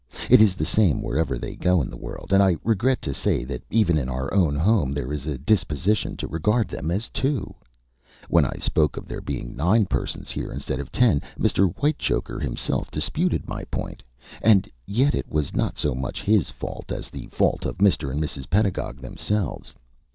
It is the same wherever they go in the world, and I regret to say that even in our own home there is a disposition to regard them as two. When I spoke of there being nine persons here instead of ten, Mr. Whitechoker himself disputed my point and yet it was not so much his fault as the fault of Mr. and Mrs. Pedagog themselves.